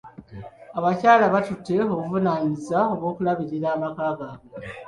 Abakyala batutte obuvunaanyizibwa bw'okulabirira amaka gaabwe.